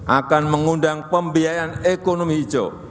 akan mengundang pembiayaan ekonomi hijau